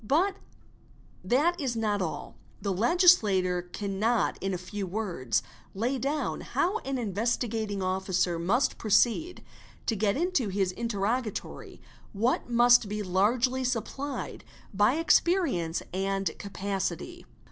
But that is not all. The legislator cannot in a few words lay down how an Investigating Officer must proceed to get into his interrogatory what must be largely uupplied by experience and capacity.